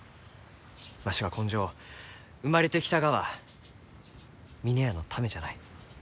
わしは今生生まれてきたがは峰屋のためじゃない。